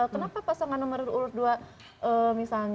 kenapa pasangan nomor urut dua misalnya